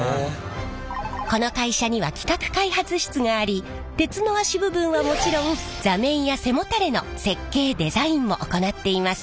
この会社には企画開発室があり鉄の脚部分はもちろん座面や背もたれの設計デザインも行っています。